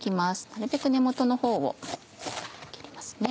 なるべく根元のほうを切りますね。